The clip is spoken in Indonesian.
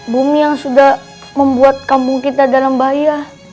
bumi yang sudah membuat kampung kita dalam bahaya